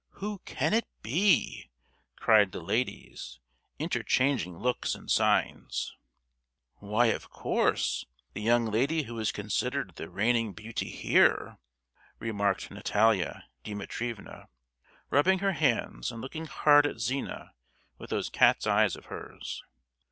Who can it be?" cried the ladies, interchanging looks and signs. "Why, of course, the young lady who is considered the reigning beauty here," remarked Natalia Dimitrievna, rubbing her hands and looking hard at Zina with those cat's eyes of hers.